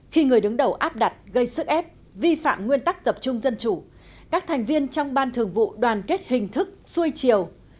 khi người đứng đầu áp đặt gây sức ép vi phạm nguyên tắc tập trung dân chủ các thành viên trong ban thường vụ đoàn kết hình thức xuôi chiều